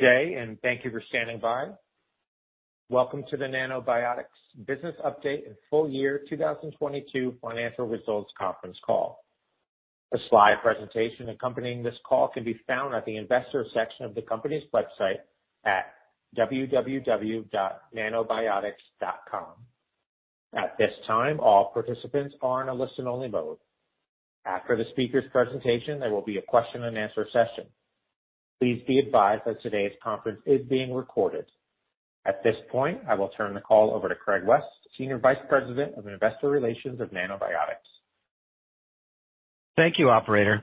Good day, and thank you for standing by. Welcome to the Nanobiotix business update and full year 2022 financial results conference call. A slide presentation accompanying this call can be found at the investor section of the company's website at www.nanobiotix.com. At this time, all participants are in a listen only mode. After the speaker's presentation, there will be a question and answer session. Please be advised that today's conference is being recorded. At this point, I will turn the call over to Craig West, Senior Vice President of Investor Relations of Nanobiotix. Thank you, operator.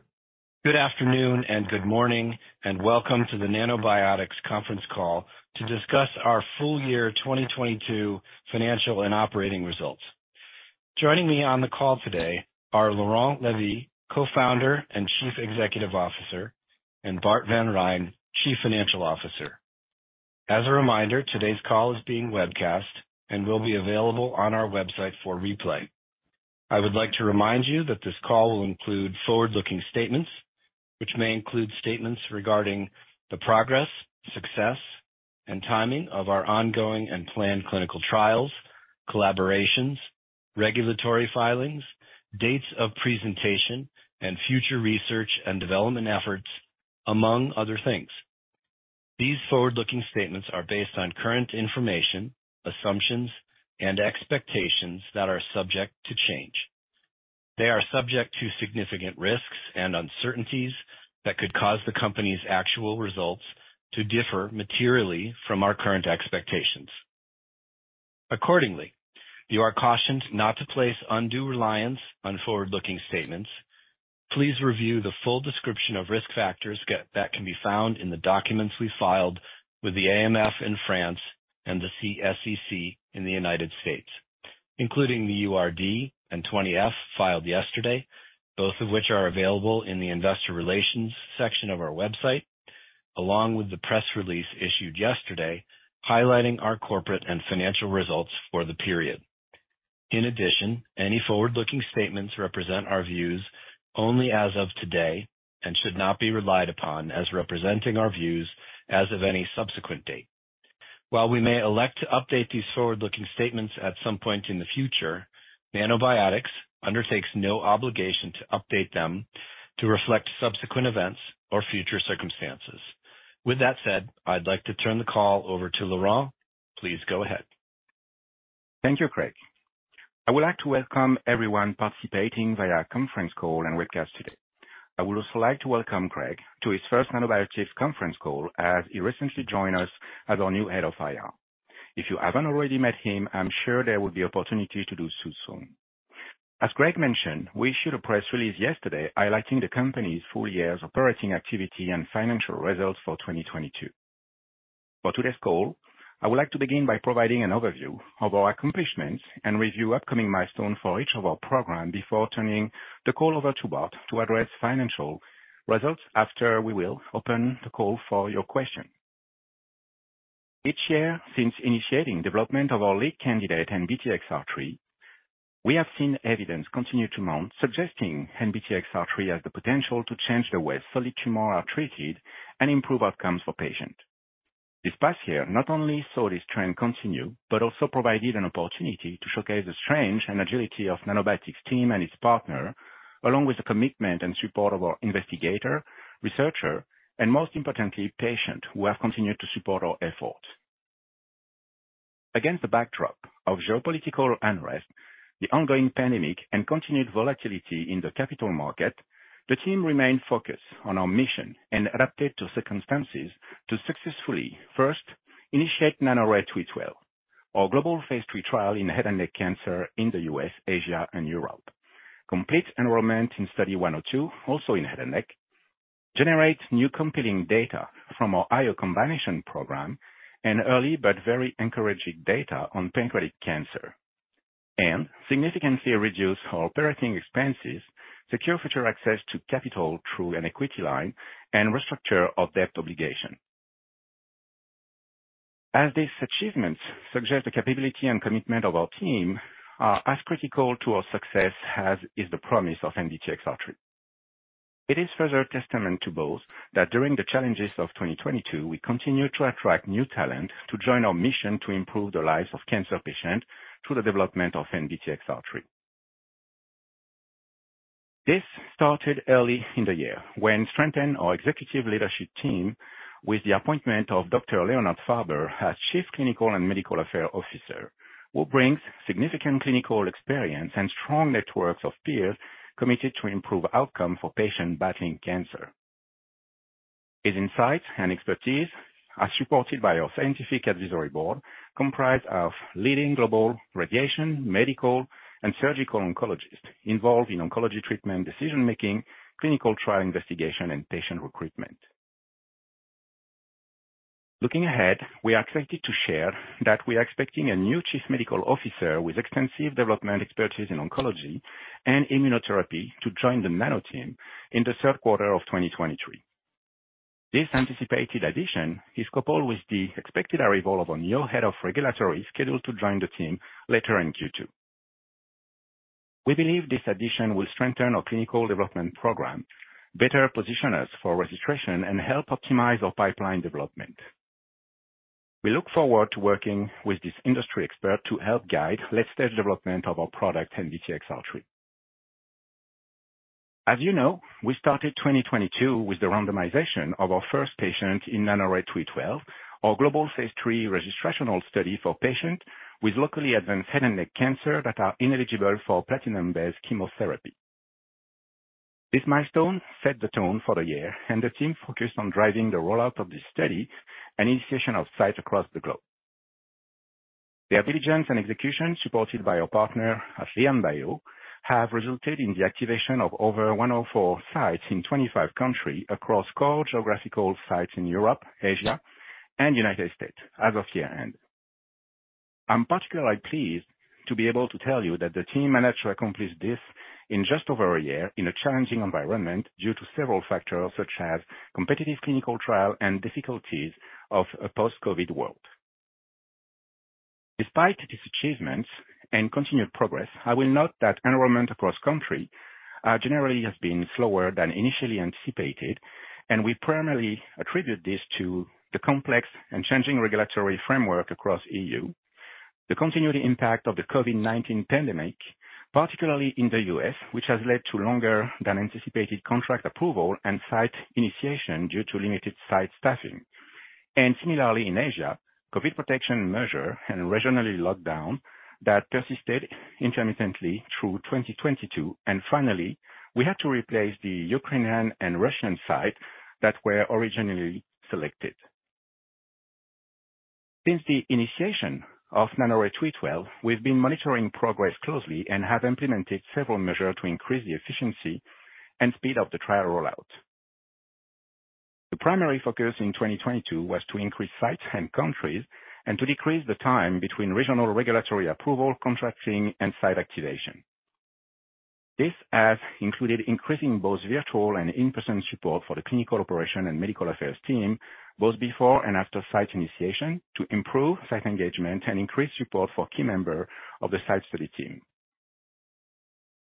Good afternoon and good morning, and welcome to the Nanobiotix conference call to discuss our full year 2022 financial and operating results. Joining me on the call today are Laurent Lévy, Co-founder and Chief Executive Officer, and Bart Van Rhijn, Chief Financial Officer. As a reminder, today's call is being webcast and will be available on our website for replay. I would like to remind you that this call will include forward-looking statements, which may include statements regarding the progress, success, and timing of our ongoing and planned clinical trials, collaborations, regulatory filings, dates of presentation, and future research and development efforts, among other things. These forward-looking statements are based on current information, assumptions, and expectations that are subject to change. They are subject to significant risks and uncertainties that could cause the company's actual results to differ materially from our current expectations. Accordingly, you are cautioned not to place undue reliance on forward-looking statements. Please review the full description of risk factors that can be found in the documents we filed with the AMF in France and the SEC in the United States, including the URD and Form 20-F filed yesterday, both of which are available in the investor relations section of our website, along with the press release issued yesterday, highlighting our corporate and financial results for the period. In addition, any forward-looking statements represent our views only as of today and should not be relied upon as representing our views as of any subsequent date. While we may elect to update these forward-looking statements at some point in the future, Nanobiotix undertakes no obligation to update them to reflect subsequent events or future circumstances. With that said, I'd like to turn the call over to Laurent. Please go ahead. Thank you, Craig. I would like to welcome everyone participating via conference call and webcast today. I would also like to welcome Craig to his first Nanobiotix conference call as he recently joined us as our new head of IR. If you haven't already met him, I'm sure there will be opportunity to do so soon. As Craig mentioned, we issued a press release yesterday highlighting the company's full year's operating activity and financial results for 2022. For today's call, I would like to begin by providing an overview of our accomplishments and review upcoming milestones for each of our program before turning the call over to Bart to address financial results after we will open the call for your question. Each year, since initiating development of our lead candidate, NBTXR3, we have seen evidence continue to mount, suggesting NBTXR3 has the potential to change the way solid tumor are treated and improve outcomes for patients. This past year not only saw this trend continue, but also provided an opportunity to showcase the strength and agility of Nanobiotix team and its partner, along with the commitment and support of our investigator, researcher, and most importantly, patient, who have continued to support our efforts. Against the backdrop of geopolitical unrest, the ongoing pandemic, and continued volatility in the capital market, the team remained focused on our mission and adapted to circumstances to successfully, first, initiate NANORAY-312, our global phase III trial in head and neck cancer in the U.S., Asia, and Europe. Complete enrollment in Study 102, also in head and neck, generates new compelling data from our IO combination program and early but very encouraging data on pancreatic cancer, and significantly reduce our operating expenses, secure future access to capital through an equity line, and restructure of debt obligation. As these achievements suggest the capability and commitment of our team are as critical to our success as is the promise of NBTXR3. It is further testament to both that during the challenges of 2022, we continued to attract new talent to join our mission to improve the lives of cancer patients through the development of NBTXR3. This started early in the year when strengthen our executive leadership team with the appointment of Dr. Leonard Farber as Chief Clinical and Medical Affairs Officer, who brings significant clinical experience and strong networks of peers committed to improve outcome for patients battling cancer. His insights and expertise are supported by our scientific advisory board, comprised of leading global radiation, medical, and surgical oncologists involved in oncology treatment, decision making, clinical trial investigation, and patient recruitment. Looking ahead, we are excited to share that we are expecting a new chief medical officer with extensive development expertise in oncology and immunotherapy to join the Nano team in the third quarter of 2023. This anticipated addition is coupled with the expected arrival of a new head of regulatory, scheduled to join the team later in Q2. We believe this addition will strengthen our clinical development program, better position us for registration, and help optimize our pipeline development. We look forward to working with this industry expert to help guide late stage development of our product NBTXR3. As you know, we started 2022 with the randomization of our first patient in NANORAY-312, our global phase III registrational study for patients with locally advanced head and neck cancer that are ineligible for platinum-based chemotherapy. This milestone set the tone for the year and the team focused on driving the rollout of this study and initiation of sites across the globe. The diligence and execution supported by our partner, LianBio, have resulted in the activation of over 104 sites in 25 countries across core geographical sites in Europe, Asia and United States as of year-end. I'm particularly pleased to be able to tell you that the team managed to accomplish this in just over a year in a challenging environment due to several factors such as competitive clinical trial and difficulties of a post-COVID world. Despite these achievements and continued progress, I will note that enrollment across country generally has been slower than initially anticipated. We primarily attribute this to the complex and changing regulatory framework across E.U. The continued impact of the COVID-19 pandemic, particularly in the U.S., which has led to longer than anticipated contract approval and site initiation due to limited site staffing. Similarly in Asia, COVID protection measure and regionally lockdown that persisted intermittently through 2022. Finally, we had to replace the Ukrainian and Russian sites that were originally selected. Since the initiation of NANORAY-312, we've been monitoring progress closely and have implemented several measures to increase the efficiency and speed up the trial rollout. The primary focus in 2022 was to increase sites and countries and to decrease the time between regional regulatory approval, contracting and site activation. This has included increasing both virtual and in-person support for the clinical operation and medical affairs team, both before and after site initiation to improve site engagement and increase support for key members of the site study team.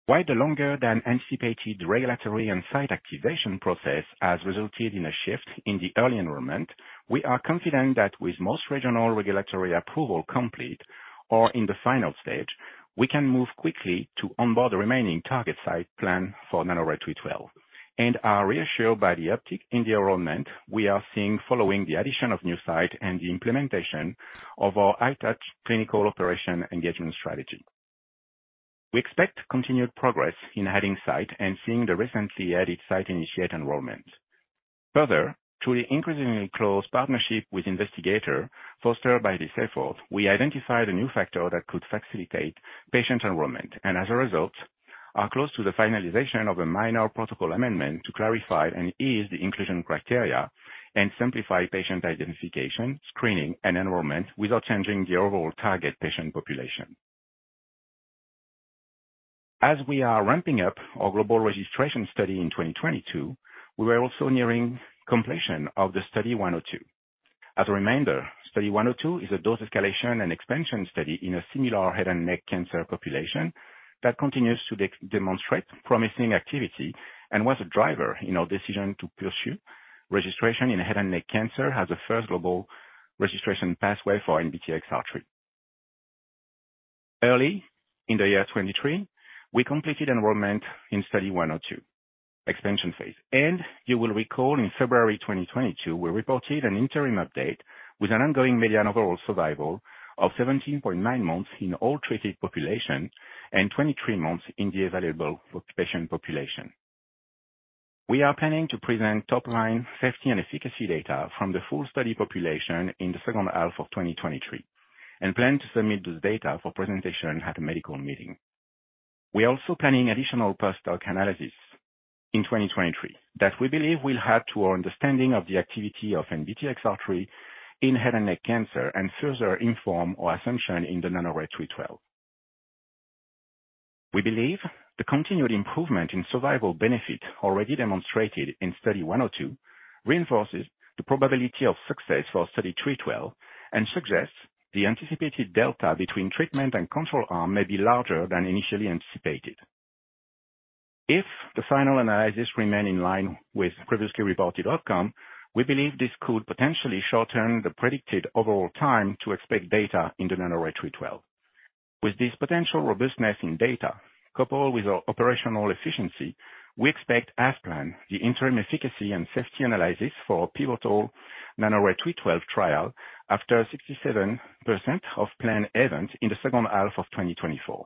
While the longer than anticipated regulatory and site activation process has resulted in a shift in the early enrollment, we are confident that with most regional regulatory approval complete or in the final stage, we can move quickly to onboard the remaining target site plan for NANORAY-312 and are reassured by the uptick in the enrollment we are seeing following the addition of new site and the implementation of our high touch clinical operation engagement strategy. Through the increasingly close partnership with investigator fostered by this effort, we identified a new factor that could facilitate patient enrollment and as a result, are close to the finalization of a minor protocol amendment to clarify and ease the inclusion criteria and simplify patient identification, screening and enrollment without changing the overall target patient population. As we are ramping up our global registration study in 2022, we were also nearing completion of the Study 102. As a reminder, Study 102 is a dose escalation and expansion study in a similar head and neck cancer population that continues to demonstrate promising activity and was a driver in our decision to pursue registration in head and neck cancer as a first global registration pathway for NBTXR3. Early in the year 2023, we completed enrollment in Study 102 expansion phase. You will recall in February 2022, we reported an interim update with an ongoing median overall survival of 17.9 months in all treated populations and 23 months in the evaluable patient population. We are planning to present top line safety and efficacy data from the full study population in the second half of 2023 and plan to submit this data for presentation at a medical meeting. We are also planning additional post hoc analysis in 2023 that we believe will add to our understanding of the activity of NBTXR3 in head and neck cancer and further inform our assumption in the NANORAY-312. We believe the continued improvement in survival benefit already demonstrated in Study 102 reinforces the probability of success for Study 312 and suggests the anticipated delta between treatment and control arm may be larger than initially anticipated. If the final analysis remain in line with previously reported outcome, we believe this could potentially shorten the predicted overall time to expect data in the NANORAY-312. With this potential robustness in data coupled with our operational efficiency, we expect as planned, the interim efficacy and safety analysis for pivotal NANORAY-312 trial after 67% of planned event in the second half of 2024.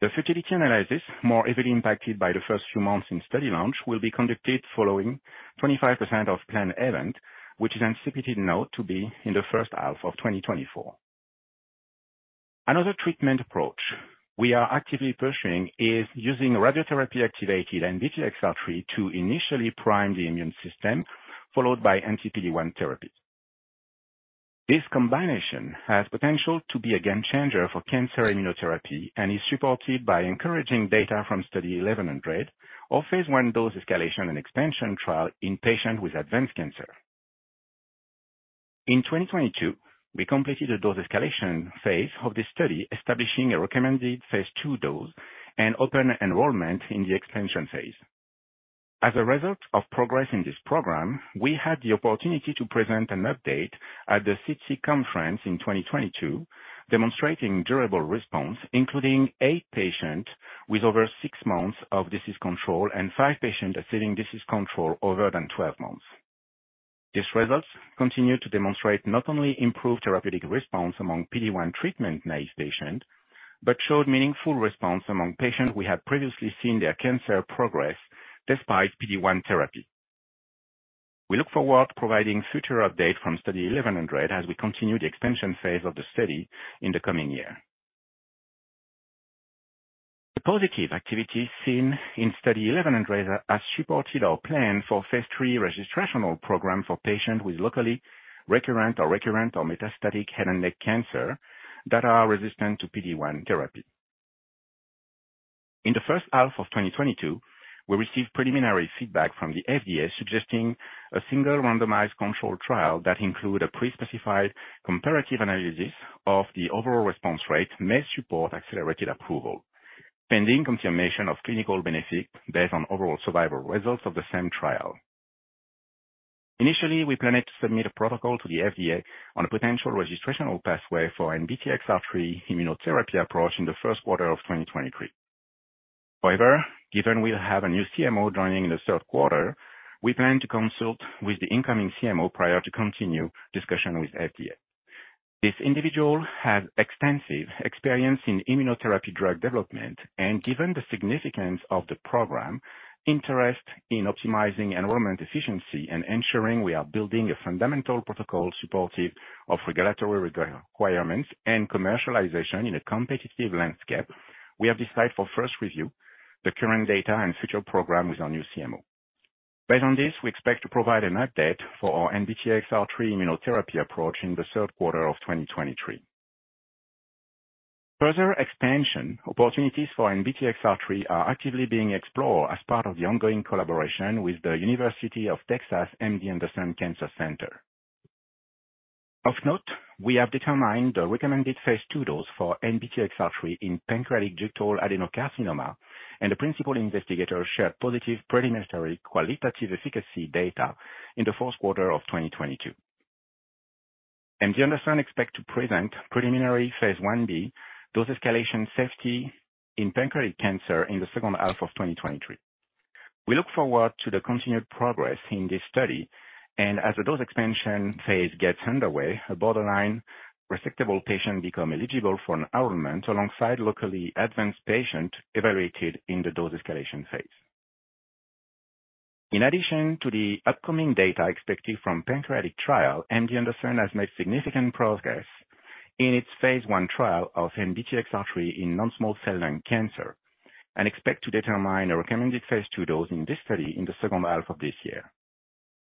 The futility analysis, more heavily impacted by the first few months in study launch, will be conducted following 25% of planned event, which is anticipated now to be in the first half of 2024. Another treatment approach we are actively pursuing is using radiotherapy activated NBTXR3 to initially prime the immune system followed by anti-PD-1 therapy. This combination has potential to be a game changer for cancer immunotherapy and is supported by encouraging data from Study 1100 or phase I dose escalation and expansion trial in patients with advanced cancer. In 2022, we completed a dose escalation phase of this study, establishing a recommended phase II dose and open enrollment in the expansion phase. As a result of progress in this program, we had the opportunity to present an update at the CTOS conference in 2022, demonstrating durable response, including eight patient with over six months of disease control and five patient achieving disease control over than 12 months. These results continue to demonstrate not only improved therapeutic response among PD-1 treatment naive patients, but showed meaningful response among patients we have previously seen their cancer progress despite PD-1 therapy. We look forward to providing future update from Study 1100 as we continue the expansion phase of the study in the coming year. The positive activity seen in Study 1100 has supported our plan for phase III registrational program for patients with locally recurrent or recurrent or metastatic head and neck cancer that are resistant to PD-1 therapy. In the first half of 2022, we received preliminary feedback from the FDA suggesting a single randomized controlled trial that include a pre-specified comparative analysis of the overall response rate may support accelerated approval, pending confirmation of clinical benefit based on overall survival results of the same trial. Initially, we planned to submit a protocol to the FDA on a potential registrational pathway for NBTXR3 immunotherapy approach in the first quarter of 2023. Given we'll have a new CMO joining in the third quarter, we plan to consult with the incoming CMO prior to continue discussion with FDA. This individual has extensive experience in immunotherapy drug development, and given the significance of the program, interest in optimizing enrollment efficiency and ensuring we are building a fundamental protocol supportive of regulatory requirements and commercialization in a competitive landscape, we have decided for first review the current data and future program with our new CMO. Based on this, we expect to provide an update for our NBTXR3 immunotherapy approach in the third quarter of 2023. Further expansion opportunities for NBTXR3 are actively being explored as part of the ongoing collaboration with the University of Texas MD Anderson Cancer Center. Of note, we have determined the recommended phase II dose for NBTXR3 in pancreatic ductal adenocarcinoma, and the principal investigator shared positive preliminary qualitative efficacy data in the fourth quarter of 2022. MD Anderson expect to present preliminary phase 1B dose escalation safety in pancreatic cancer in the second half of 2023. We look forward to the continued progress in this study, and as the dose expansion phase gets underway, a borderline resectable patient become eligible for enrollment alongside locally advanced patient evaluated in the dose escalation phase. In addition to the upcoming data expected from pancreatic trial, MD Anderson has made significant progress in its phase I trial of NBTXR3 in non-small cell lung cancer, and expect to determine a recommended phase II dose in this study in the second half of this year.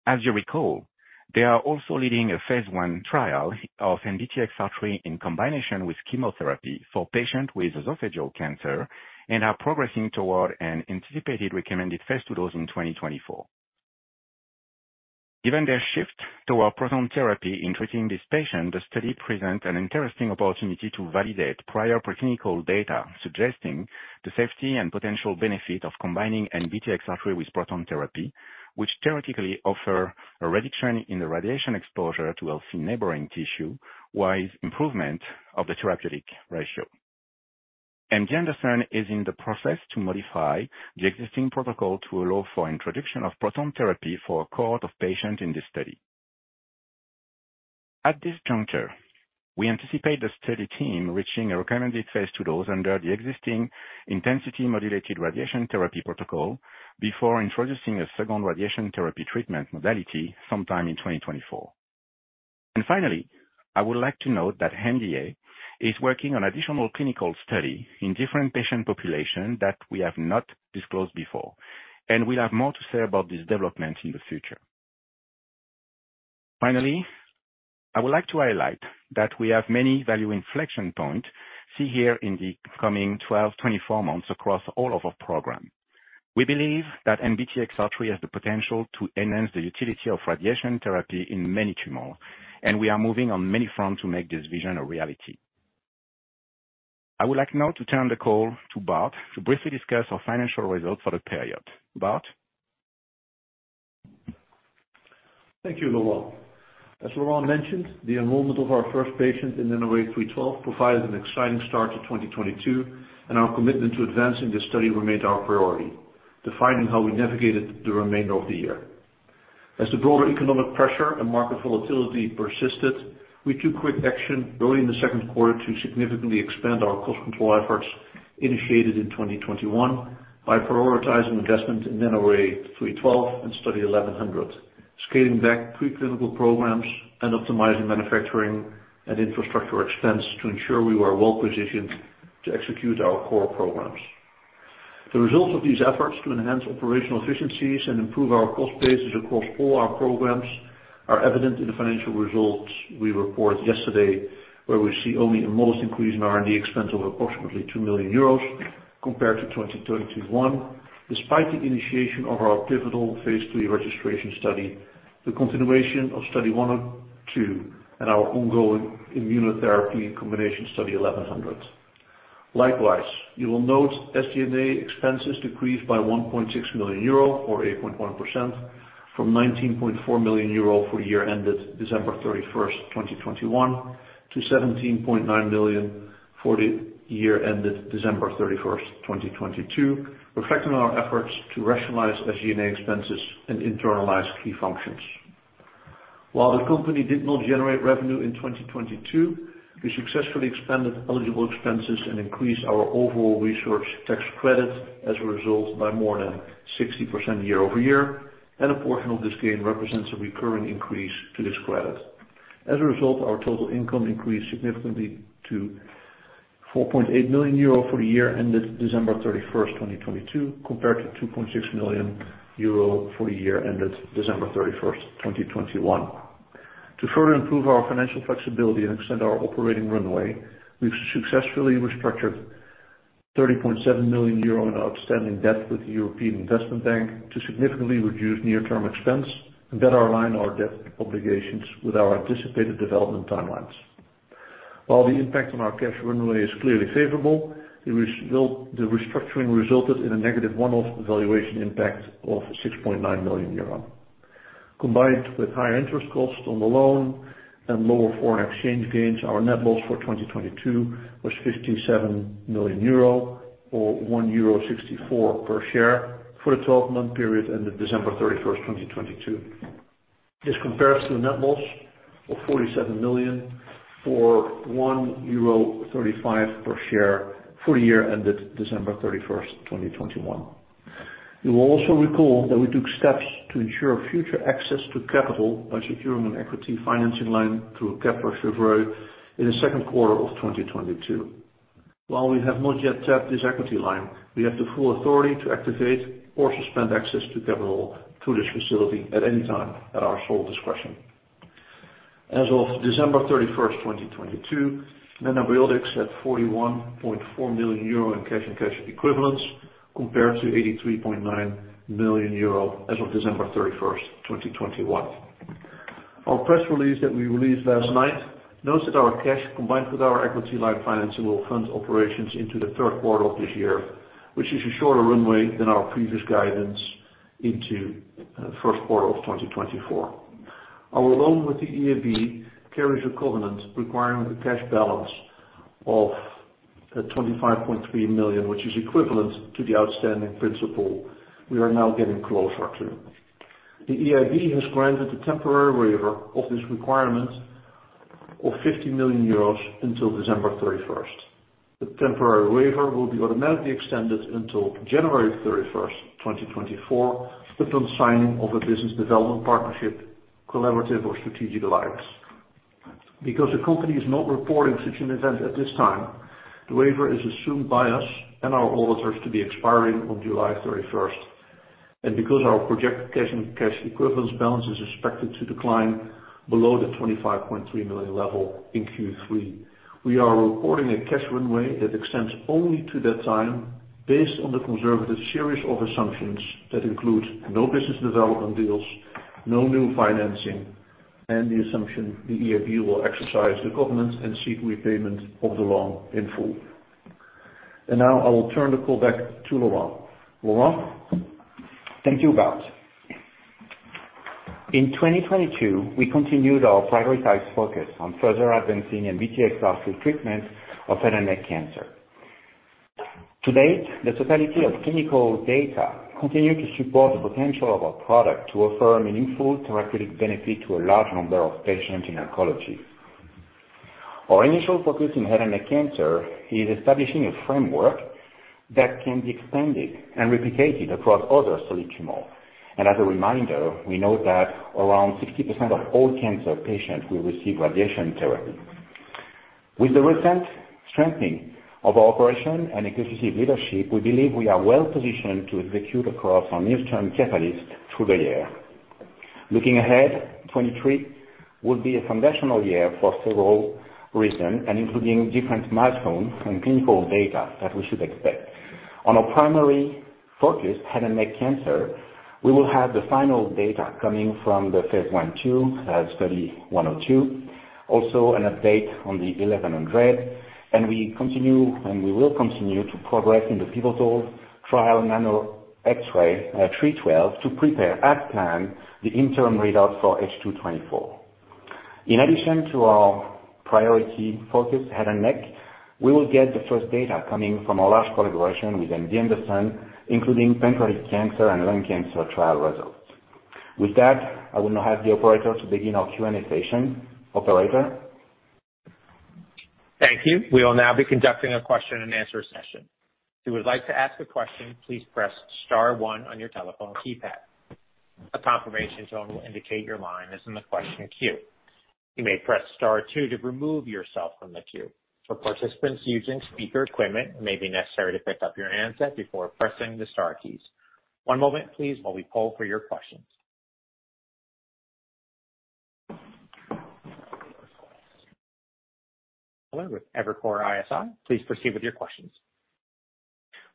As you recall, they are also leading a phase I trial of NBTXR3 in combination with chemotherapy for patients with esophageal cancer and are progressing toward an anticipated recommended phase two dose in 2024. Given their shift toward proton therapy in treating these patients, the study presents an interesting opportunity to validate prior preclinical data suggesting the safety and potential benefit of combining NBTXR3 with proton therapy, which theoretically offer a reduction in the radiation exposure to healthy neighboring tissue, while improvement of the therapeutic ratio. MD Anderson is in the process to modify the existing protocol to allow for introduction of proton therapy for a cohort of patients in this study. At this juncture, we anticipate the study team reaching a recommended phase two dose under the existing intensity-modulated radiation therapy protocol before introducing a second radiation therapy treatment modality sometime in 2024. Finally, I would like to note that MD Anderson is working on additional clinical study in different patient population that we have not disclosed before, and we'll have more to say about this development in the future. Finally, I would like to highlight that we have many value inflection point see here in the coming 12, 24 months across all of our program. We believe that NBTXR3 has the potential to enhance the utility of radiation therapy in many tumor, and we are moving on many fronts to make this vision a reality. I would like now to turn the call to Bart to briefly discuss our financial results for the period. Bart? Thank you, Laurent. As Laurent mentioned, the enrollment of our first patient in NANORAY-312 provided an exciting start to 2022, and our commitment to advancing this study remained our priority, defining how we navigated the remainder of the year. As the broader economic pressure and market volatility persisted, we took quick action early in the second quarter to significantly expand our cost control efforts initiated in 2021 by prioritizing investment in NANORAY-312 and Study 1100, scaling back pre-clinical programs and optimizing manufacturing and infrastructure expense to ensure we were well positioned to execute our core programs. The results of these efforts to enhance operational efficiencies and improve our cost bases across all our programs are evident in the financial results we reported yesterday, where we see only a modest increase in R&D expense of approximately 2 million euros compared to 2021, despite the initiation of our pivotal phase III registration study, the continuation of Study 102, and our ongoing immunotherapy combination Study 1100. You will note SG&A expenses decreased by 1.6 million euro or 8.1% from 19.4 million euro for the year ended December 31st, 2021 to 17.9 million for the year ended December 31st, 2022, reflecting our efforts to rationalize SG&A expenses and internalize key functions. While the company did not generate revenue in 2022, we successfully expanded eligible expenses and increased our overall research tax credit as a result by more than 60% year-over-year, and a portion of this gain represents a recurring increase to this credit. As a result, our total income increased significantly to 4.8 million euro for the year ended December 31st, 2022, compared to 2.6 million euro for the year ended December 31st, 2021. To further improve our financial flexibility and extend our operating runway, we've successfully restructured 30.7 million euro in outstanding debt with the European Investment Bank to significantly reduce near-term expense and better align our debt obligations with our anticipated development timelines. While the impact on our cash runway is clearly favorable. The restructuring resulted in a negative one-off valuation impact of 6.9 million euro. Combined with higher interest costs on the loan and lower foreign exchange gains, our net loss for 2022 was 57 million euro or 1.64 euro per share for the 12-month period ended December 31st, 2022. This compares to the net loss of 47 million for 1.35 euro per share for the year ended December 31st, 2021. You will also recall that we took steps to ensure future access to capital by securing an equity financing line through Kepler Cheuvreux in the second quarter of 2022. While we have not yet tapped this equity line, we have the full authority to activate or suspend access to capital through this facility at any time at our sole discretion. As of December 31st, 2022, Nanobiotix had 41.4 million euro in cash and cash equivalents compared to 83.9 million euro as of December 31st, 2021. Our press release that we released last night notes that our cash, combined with our equity line financing, will fund operations into the third quarter of this year, which is a shorter runway than our previous guidance into first quarter of 2024. Our loan with the EIB carries a covenant requiring a cash balance of 25.3 million, which is equivalent to the outstanding principal we are now getting closer to. The EIB has granted a temporary waiver of this requirement of 50 million euros until December 31st. The temporary waiver will be automatically extended until January 31st, 2024, upon signing of a business development partnership, collaborative or strategic alliance. Because the company is not reporting such an event at this time, the waiver is assumed by us and our auditors to be expiring on July 31st. Because our projected cash and cash equivalence balance is expected to decline below the 25.3 million level in Q3, we are reporting a cash runway that extends only to that time based on the conservative series of assumptions that include no business development deals, no new financing, and the assumption the EIB will exercise the covenant and seek repayment of the loan in full. Now, I will turn the call back to Laurent. Laurent? Thank you, Bart. In 2022, we continued our prioritized focus on further advancing NBTXR3 treatment of head and neck cancer. To date, the totality of clinical data continue to support the potential of our product to offer a meaningful therapeutic benefit to a large number of patients in oncology. Our initial focus in head and neck cancer is establishing a framework that can be expanded and replicated across other solid tumor. As a reminder, we know that around 60% of all cancer patients will receive radiation therapy. With the recent strengthening of our operation and executive leadership, we believe we are well positioned to execute across our near-term catalyst through the year. Looking ahead, 2023 will be a foundational year for several reasons, and including different milestones from clinical data that we should expect. On our primary focus, head and neck cancer, we will have the final data coming from the phase I/II Study 102. Also an update on the Study 1100, and we will continue to progress in the pivotal trial NANORAY-312 to prepare as planned the interim readout for H2 2024. In addition to our priority focus, head and neck, we will get the first data coming from our large collaboration with MD Anderson, including pancreatic cancer and lung cancer trial results. With that, I will now hand the operator to begin our Q&A session. Operator? Thank you. We will now be conducting a question and answer session. If you would like to ask a question, please press star one on your telephone keypad. A confirmation tone will indicate your line is in the question queue. You may press star two to remove yourself from the queue. For participants using speaker equipment, it may be necessary to pick up your handset before pressing the star keys. One moment please while we poll for your questions. Jonathan Miller with Evercore ISI. Please proceed with your questions.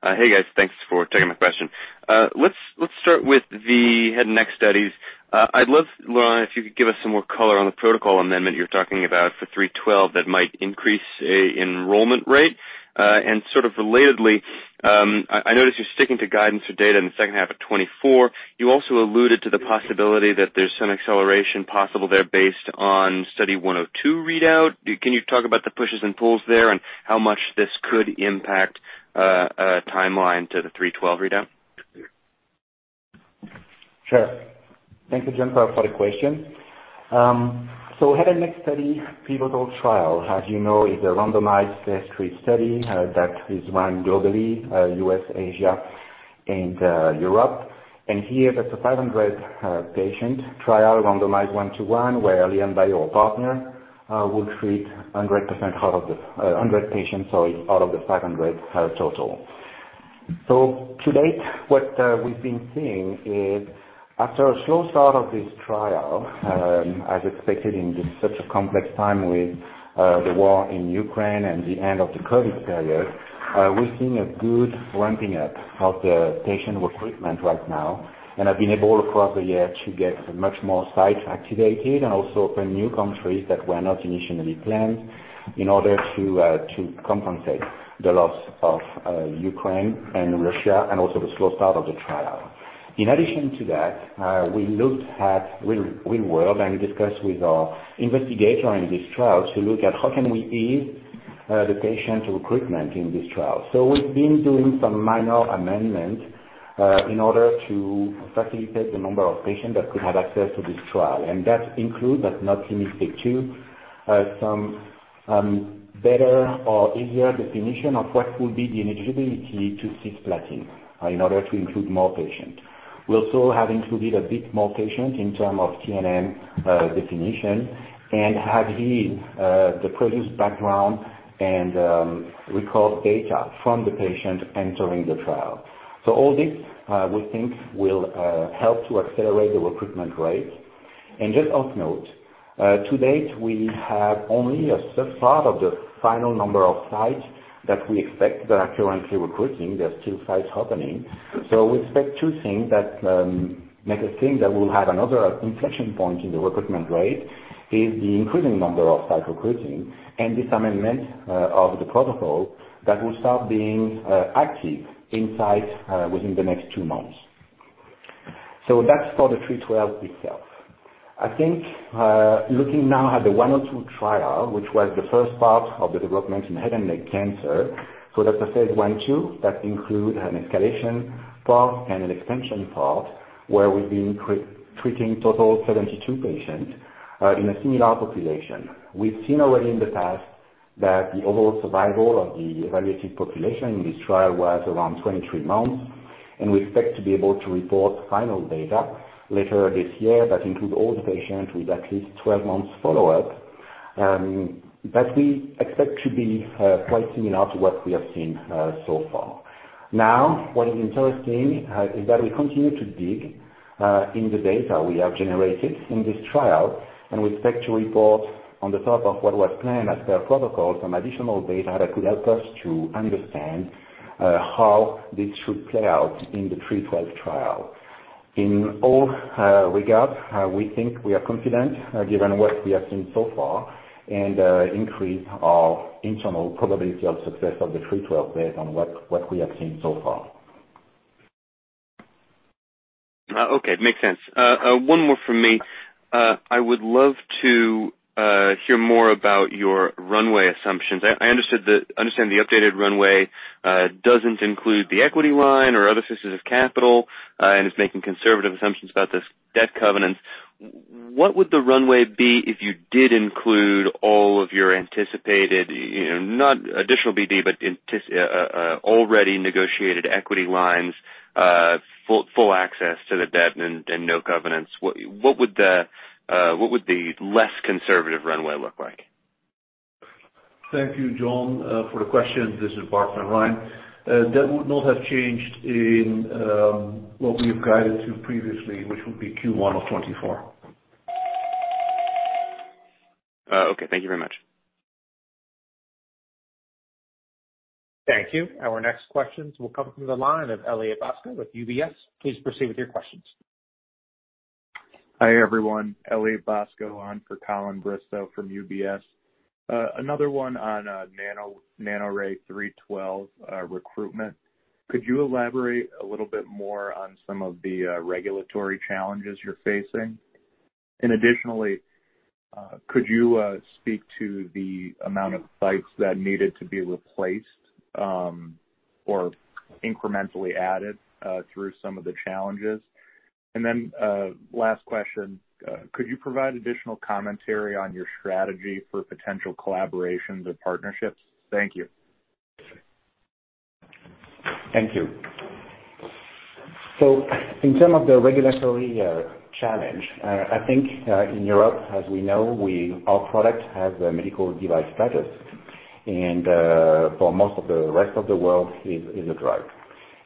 Hey guys, thanks for taking my question. Let's start with the head and neck studies. I'd love, Laurent, if you could give us some more color on the protocol amendment you're talking about for NANORAY‑312 that might increase a enrollment rate. And sort of relatedly, I noticed you're sticking to guidance for data in the second half of 2024. You also alluded to the possibility that there's some acceleration possible there based on Study 102 readout. Can you talk about the pushes and pulls there and how much this could impact a timeline to the NANORAY‑312 readout? Sure. Thank you, Jonathan for the question. Head and neck study pivotal trial, as you know, is a randomized phase III study that is run globally, U.S., Asia, and Europe. Here that's a 500 patient trial randomized 1:1, where LianBio, our partner, will treat 100% out of the 100 patients, so it's out of the 500 total. To date, what we've been seeing is after a slow start of this trial, as expected in such a complex time with the war in Ukraine and the end of the COVID period, we're seeing a good ramping up of the patient recruitment right now. I've been able across the year to get much more sites activated and also open new countries that were not initially planned in order to to compensate the loss of Ukraine and Russia and also the slow start of the trial. In addition to that, we looked at real world and discussed with our investigator in this trial to look at how can we ease the patient recruitment in this trial. We've been doing some minor amendment in order to facilitate the number of patients that could have access to this trial. That includes, but not limited to, some better or easier definition of what will be the ineligibility to cisplatin in order to include more patients. We also have included a bit more patients in terms of TNM definition and have read the previous background and recall data from the patient entering the trial. All this, we think will help to accelerate the recruitment rate. Just of note, to date, we have only a sub-part of the final number of sites that we expect that are currently recruiting. There are still sites opening. We expect two things that make us think that we'll have another inflection point in the recruitment rate is the increasing number of sites recruiting and this amendment of the protocol that will start being active in sites within the next two months. That's for the NANORAY‑312 itself. I think, looking now at the Study 102 trial, which was the first part of the development in head and neck cancer. That's a phase I/II that include an escalation part and an extension part where we've been treating total 72 patients in a similar population. We've seen already in the past that the overall survival of the evaluated population in this trial was around 23 months. We expect to be able to report final data later this year that includes all the patients with at least 12 months follow-up, that we expect to be quite similar to what we have seen so far. What is interesting, is that we continue to dig in the data we have generated in this trial, and we expect to report on the top of what was planned as per protocol, some additional data that could help us to understand how this should play out in the NANORAY‑312 trial. In all regards, we think we are confident given what we have seen so far and increase our internal probability of success of the NANORAY‑312 based on what we have seen so far. Okay. Makes sense. One more from me. I would love to hear more about your runway assumptions. I understand the updated runway doesn't include the equity line or other sources of capital and is making conservative assumptions about this debt covenants. What would the runway be if you did include all of your anticipated, you know, not additional BD, but already negotiated equity lines, full access to the debt and no covenants? What would the less conservative runway look like? Thank you, Jon, for the question. This is Bart Van Rhijn. That would not have changed in what we have guided to previously, which will be Q1 of 2024. Okay. Thank you very much. Thank you. Our next questions will come from the line of Elliott Bosco with UBS. Please proceed with your questions. Hi, everyone. Elliott Bosco on for Colin Bristow from UBS. Another one on NANORAY-312 recruitment. Could you elaborate a little bit more on some of the regulatory challenges you're facing? Additionally, could you speak to the amount of sites that needed to be replaced or incrementally added through some of the challenges? Last question, could you provide additional commentary on your strategy for potential collaborations or partnerships? Thank you. Thank you. In terms of the regulatory challenge, I think, in Europe, as we know, our product has a medical device status. For most of the rest of the world is a drug.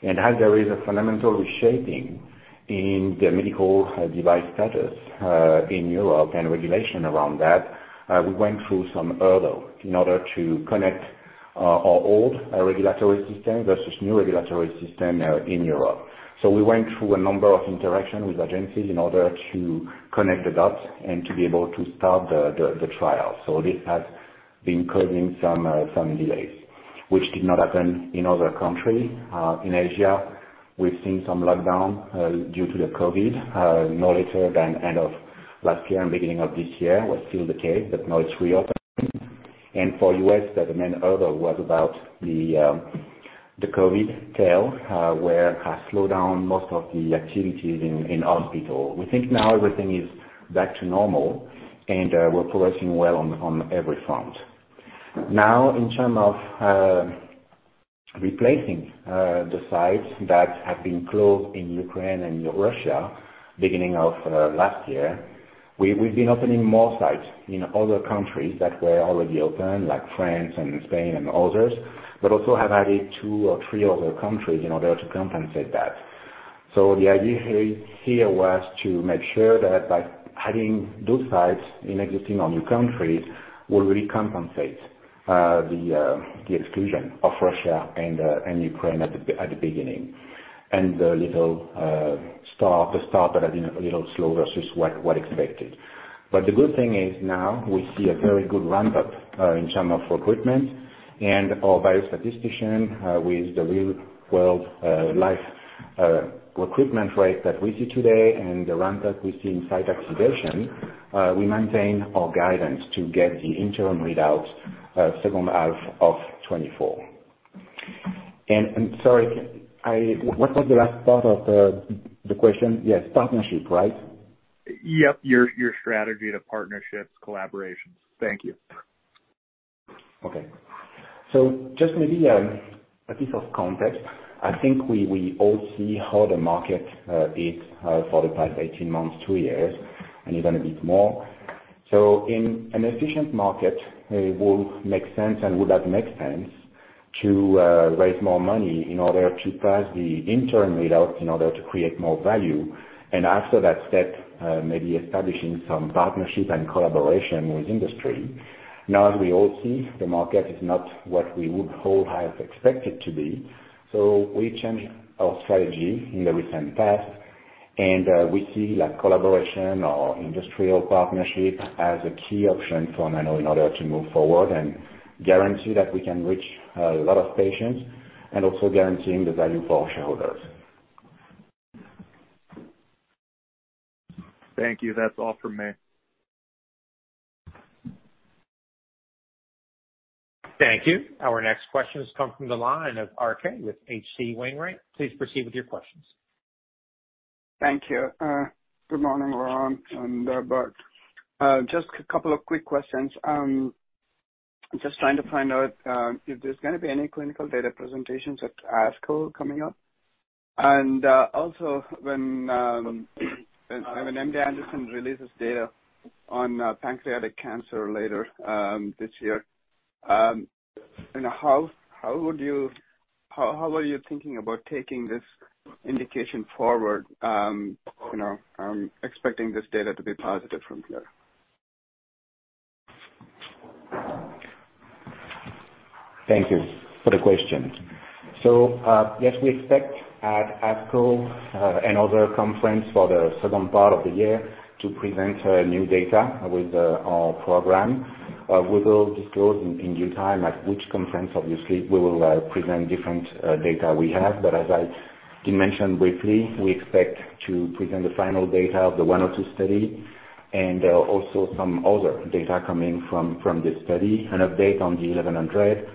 As there is a fundamental reshaping in the medical device status in Europe and regulation around that, we went through some hurdle in order to connect our old regulatory system versus new regulatory system in Europe. We went through a number of interactions with agencies in order to connect the dots and to be able to start the trial. This has been causing some delays which did not happen in other countries. In Asia, we've seen some lockdown due to the COVID, no later than end of last year and beginning of this year was still the case, but now it's reopened. For U.S., the main hurdle was about the COVID tail, where it has slowed down most of the activities in hospital. We think now everything is back to normal and we're progressing well on every front. In term of replacing the sites that have been closed in Ukraine and Russia beginning of last year, we've been opening more sites in other countries that were already open, like France and Spain and others, but also have added two or three other countries in order to compensate that. The idea here was to make sure that by adding those sites in existing or new countries will recompensate the exclusion of Russia and Ukraine at the beginning. The little start that had been a little slow versus what expected. The good thing is now we see a very good ramp-up in term of recruitment and our biostatistician with the real-world life recruitment rate that we see today and the ramp-up we see in site activation, we maintain our guidance to get the interim readout second half of 2024. Sorry, what was the last part of the question? Yes, partnership, right? Yep. Your strategy to partnerships, collaborations. Thank you. Okay. Just maybe a piece of context. I think we all see how the market is for the past 18 months, 2 years, and even a bit more. In an efficient market, it would make sense and would have made sense to raise more money in order to pass the interim readout in order to create more value. After that step, maybe establishing some partnership and collaboration with industry. As we all see, the market is not what we would all have expected to be. We changed our strategy in the recent past, and we see that collaboration or industrial partnership as a key option for Nano in order to move forward and guarantee that we can reach a lot of patients and also guaranteeing the value for our shareholders. Thank you. That's all for me. Thank you. Our next question has come from the line of RK with H.C. Wainwright. Please proceed with your questions. Thank you. Good morning, Laurent and Bart. Just a couple of quick questions. Just trying to find out if there's gonna be any clinical data presentations at ASCO coming up. Also when MD Anderson releases data on pancreatic cancer later this year, you know, how are you thinking about taking this indication forward, you know, expecting this data to be positive from here? Thank you for the question. Yes, we expect at ASCO, another conference for the second part of the year to present new data with our program. We will disclose in due time at which conference. Obviously, we will present different data we have. As I did mention briefly, we expect to present the final data of the Study 102 and also some other data coming from this study, an update on the Study 1100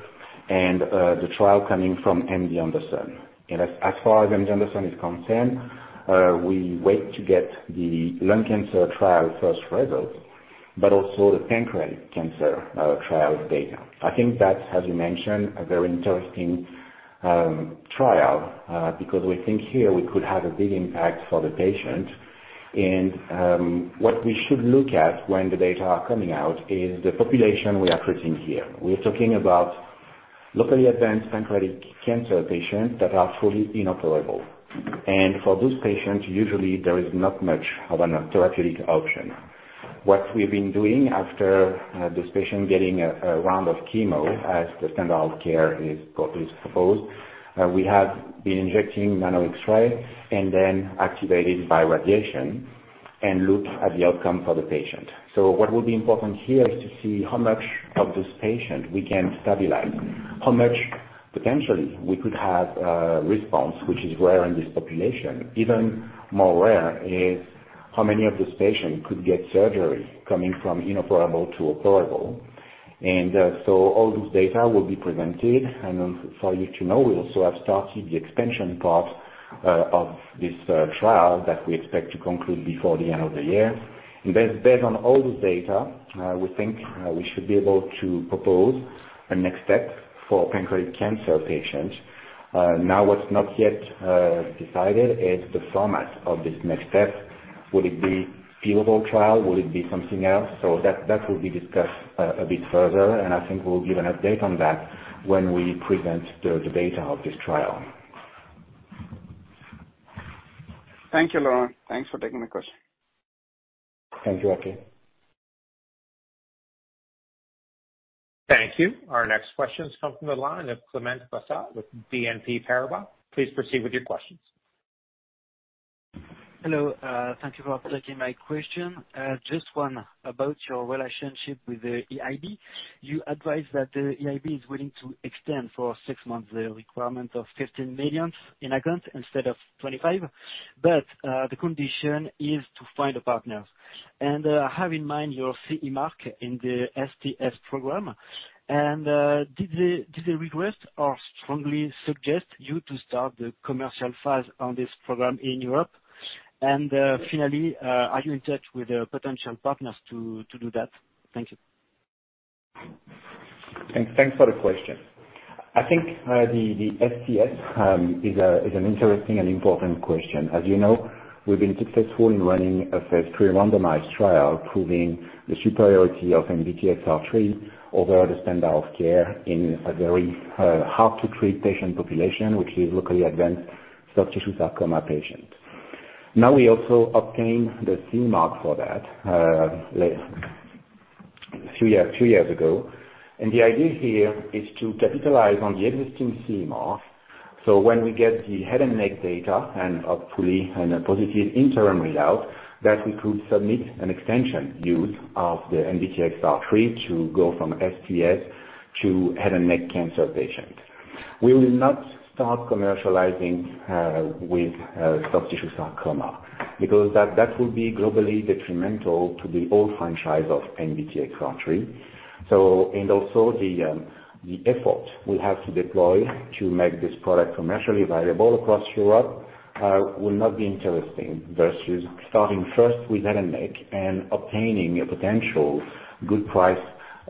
and the trial coming from MD Anderson. As far as MD Anderson is concerned, we wait to get the lung cancer trial first result, but also the pancreatic cancer trial data. I think that's, as you mentioned, a very interesting trial, because we think here we could have a big impact for the patient. What we should look at when the data are coming out is the population we are treating here. We're talking about locally advanced pancreatic cancer patients that are fully inoperable. For those patients, usually there is not much of an therapeutic option. What we've been doing after this patient getting a round of chemo as the standard of care is proposed, we have been injecting Nano X-ray and then activated by radiation and look at the outcome for the patient. What will be important here is to see how much of this patient we can stabilize, how much potentially we could have a response which is rare in this population. Even more rare is how many of these patients could get surgery coming from inoperable to operable. All this data will be presented. For you to know, we also have started the extension part of this trial that we expect to conclude before the end of the year. Based on all this data, we think we should be able to propose a next step for pancreatic cancer patients. Now what's not yet decided is the format of this next step. Will it be pivotal trial? Will it be something else? That will be discussed a bit further, and I think we'll give an update on that when we present the data of this trial. Thank you, Laurent. Thanks for taking my question. Thank you, RK. Thank you. Our next question's come from the line of Clément Bassat with BNP Paribas. Please proceed with your questions. Hello. Thank you for taking my question. Just one about your relationship with the EIB. You advised that the EIB is willing to extend for six months the requirement of 15 million in account instead of 25 million. The condition is to find a partner. Have in mind your CE mark in the STS program. Did the request or strongly suggest you to start the commercial phase on this program in Europe? Finally, are you in touch with the potential partners to do that? Thank you. Thanks. Thanks for the question. I think, the STS is an interesting and important question. As you know, we've been successful in running a phase III randomized trial proving the superiority of NBTXR3 over the standard of care in a very hard to treat patient population, which is locally advanced soft tissue sarcoma patients. Now, we also obtained the CE mark for that 2 years ago. The idea here is to capitalize on the existing CE mark, so when we get the head and neck data, and hopefully a positive interim result, that we could submit an extension use of the NBTXR3 to go from STS to head and neck cancer patient. We will not start commercializing with soft tissue sarcoma because that would be globally detrimental to the old franchise of NBTXR3. And also the effort we have to deploy to make this product commercially viable across Europe, will not be interesting. Versus starting first with head and neck and obtaining a potential good price,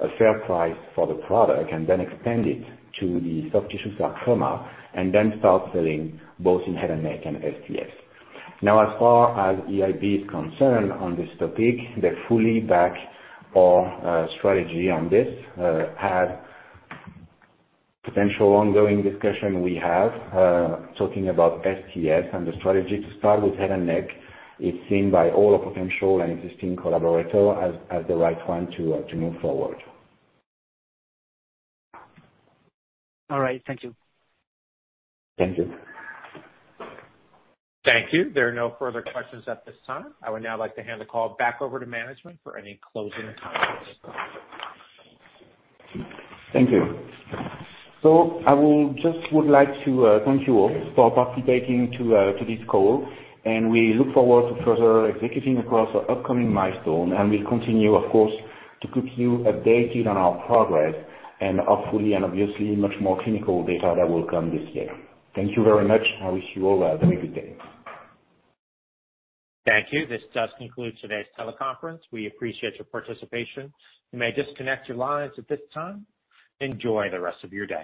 a fair price for the product, and then extend it to the soft tissue sarcoma, and then start selling both in head and neck and STS. Now, as far as EIB is concerned on this topic, they fully back our strategy on this, as potential ongoing discussion we have, talking about STS and the strategy to start with head and neck, it's seen by all our potential and existing collaborator as the right one to move forward. All right. Thank you. Thank you. Thank you. There are no further questions at this time. I would now like to hand the call back over to management for any closing comments. Thank you. I would just like to thank you all for participating to this call, and we look forward to further executing across our upcoming milestone. We'll continue, of course, to keep you updated on our progress and hopefully and obviously much more clinical data that will come this year. Thank you very much. I wish you all a very good day. Thank you. This does conclude today's teleconference. We appreciate your participation. You may disconnect your lines at this time. Enjoy the rest of your day.